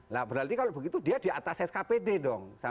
nah berarti kalau begitu dia di atas skpd dong